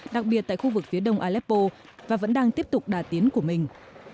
đặc biệt tại khu vực phía đông aleppo và vẫn đang tiếp tục đà tiến của mình